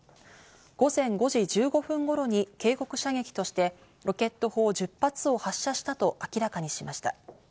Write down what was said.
午前５時１５分頃に警告射撃としてロケット砲１０発を発射したと明らかにしました。